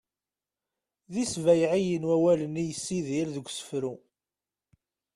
d isbayɛiyen wawalen i yessidir deg usefru